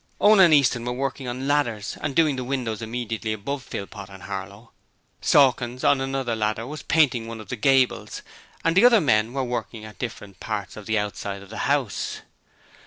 Owen and Easton were working on ladders doing the windows immediately above Philpot and Harlow, Sawkins, on another ladder, was painting one of the gables, and the other men were working at different parts of the outside of the house.